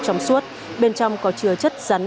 trong suốt bên trong có chừa chất rắn